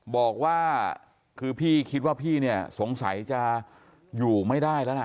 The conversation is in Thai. บอกว่าคือพี่คิดว่าพี่เนี่ยสงสัยจะอยู่ไม่ได้แล้วล่ะ